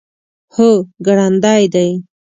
هو، ګړندی دی